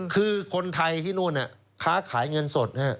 คือคนไทยที่นู่นค้าขายเงินสด